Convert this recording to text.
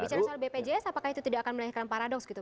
bicara soal bpjs apakah itu tidak akan melahirkan paradoks gitu